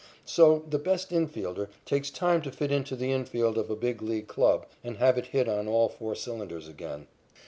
So the best infielder takes time to fit into the infield of a Big League club and have it hit on all four cylinders again.